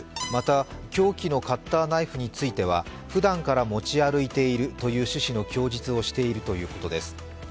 また、凶器のカッターナイフについてはふだんから持ち歩いているという趣旨の供述をしているということです。